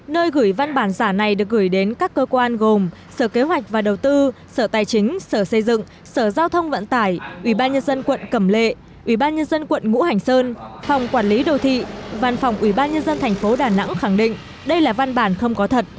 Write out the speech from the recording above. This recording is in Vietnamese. nơi gửi văn bản giả này được gửi đến các cơ quan gồm sở kế hoạch và đầu tư sở tài chính sở xây dựng sở giao thông vận tải ubnd quận cẩm lệ ubnd quận ngũ hành sơn phòng quản lý đô thị văn phòng ubnd tp đà nẵng khẳng định đây là văn bản không có thật